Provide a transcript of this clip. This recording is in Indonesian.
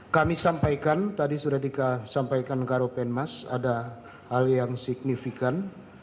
kami sampaikan tadi sudah disampaikan karopenmas ada hal yang signifikan